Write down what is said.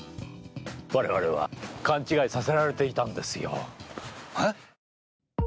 我々は勘違いさせられていたんですよ。